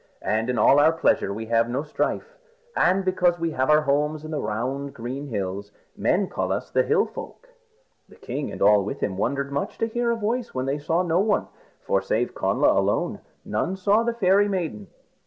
And in all our pleasure we have no strife. And because we have our homes in the round green hills, men call us the Hill Folk." The king and all with him wondered much to hear a voice when they saw no one. For save Connla alone, none saw the Fairy Maiden.